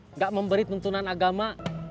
enggak memberi tuntunan agama